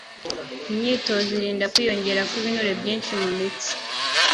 Imyitozo irinda kwiyongera kw'ibinure byinshi mu mitsi